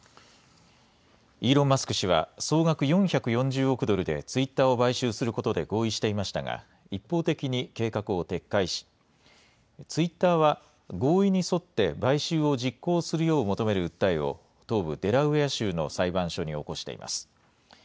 イーロン・マスク氏は、総額４４０億ドルでツイッターを買収することで合意していましたが、一方的に計画を撤回し、ツイッターは合意に沿って買収を実行するよう求める訴えを、東部デラウェア州の裁判所に起こしています。